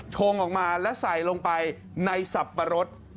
ชงออกมาและใส่ลงไปในสับปะรด